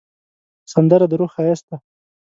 سندره د روح ښایست دی